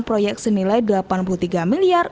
proyek senilai rp delapan puluh tiga miliar